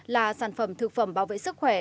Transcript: là sản phẩm thực phẩm bảo vệ sức khỏe